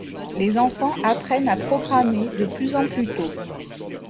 Les enfants apprennent à programmer de plus en plus tôt.